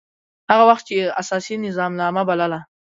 هغه وخت يي اساسي نظامنامه بلله.